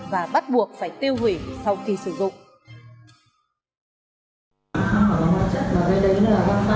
và bắt buộc phải tiêu hủy sau khi sử dụng